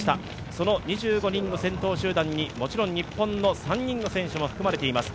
その２５人の先頭集団にもちろん日本の３人の選手も含まれています